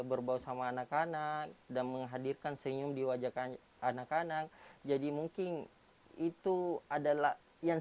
berbau sama anak anak dan menghadirkan senyum di wajah anak anak jadi mungkin itu adalah yang